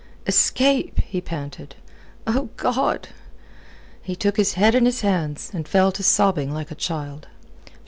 "Escape?" he panted. "O God!" He took his head in his hands, and fell to sobbing like a child.